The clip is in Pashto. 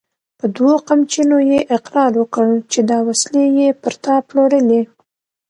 په دوو قمچينو يې اقرار وکړ چې دا وسلې يې پر تا پلورلې!